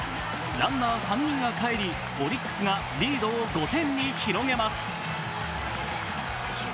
ランナー３人が帰り、オリックスがリードを５点に広げます。